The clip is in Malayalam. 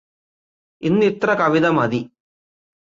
ഇന്നിത്ര കവിത മതി